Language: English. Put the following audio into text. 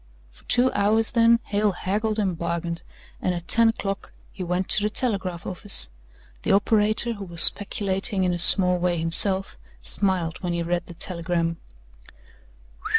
For two hours then, Hale haggled and bargained, and at ten o'clock he went to the telegraph office. The operator who was speculating in a small way himself smiled when he read the telegram.